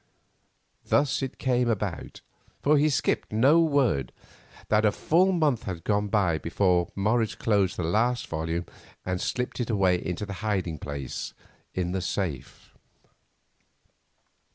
Thus it came about—for he skipped no word—that a full month had gone by before Morris closed the last volume and slipped it away into its hiding place in the safe.